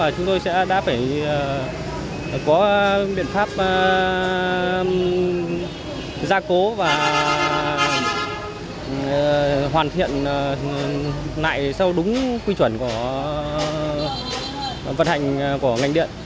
chúng tôi sẽ đã phải có biện pháp gia cố và hoàn thiện lại theo đúng quy chuẩn của vận hành của ngành điện